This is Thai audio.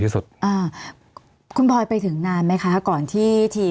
มีความรู้สึกว่ามีความรู้สึกว่า